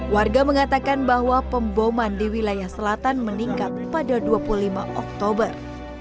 warga mengatakan bahwa pemboman di wilayah selatan meningkat pada dua puluh lima oktober